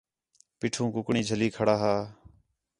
پیٹھو کُکڑیں جَھلّی کڑھا ہا